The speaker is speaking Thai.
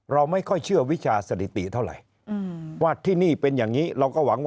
เราไม่ค่อยเชื่อวิชาสถิติเท่าไหร่